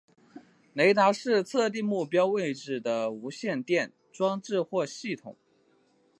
雷达是测定目标位置的无线电装置或系统。